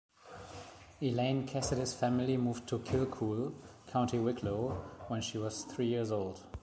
Elaine Cassidy's family moved to Kilcoole, County Wicklow, when she was three years old.